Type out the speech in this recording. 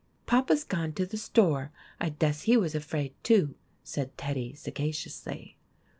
" Papa 's gone to the store. I dess he was afraid, too," said Teddy, sagaciously.